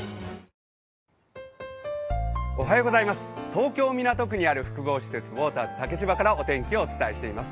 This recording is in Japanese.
東京港区にある複合施設、ウォーターズ竹芝からお天気をお伝えしています。